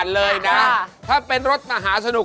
เรามันถ่ายสนุก